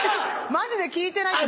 マジで聞いてないって。